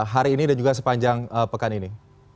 hari ini dan juga sepanjang pekan ini